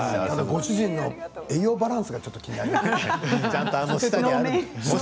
ご主人の栄養バランスがちょっと気になりますね。